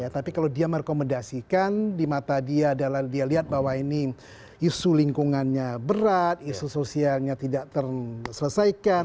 tapi kalau dia merekomendasikan di mata dia adalah dia lihat bahwa ini isu lingkungannya berat isu sosialnya tidak terselesaikan